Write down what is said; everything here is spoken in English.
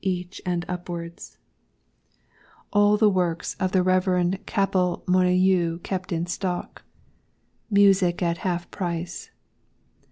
each and upwards All the Works of the Rev. Capel Molyneux kept in stock. MUSIC AT HALF PRICE.